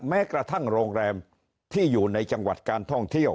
แม้กระทั่งโรงแรมที่อยู่ในจังหวัดการท่องเที่ยว